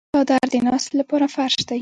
څادر د ناستې لپاره فرش دی.